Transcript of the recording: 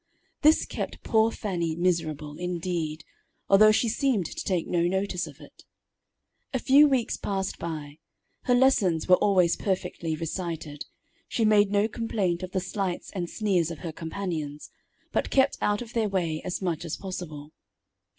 This kept poor Fannie miserable, indeed, although she seemed to take no notice of it. A few weeks passed by. Her lessons were always perfectly recited. She made no complaint of the slights and sneers of her companions, but kept out of their way as much as possible.